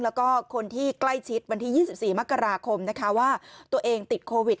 แล้วก็คนที่ใกล้ชิดวันที่๒๔มกราคมนะคะว่าตัวเองติดโควิด